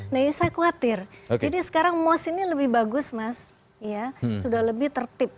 nah ini saya khawatir jadi sekarang mos ini lebih bagus mas sudah lebih tertib